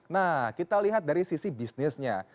nah kita lihat dari sisi bisnisnya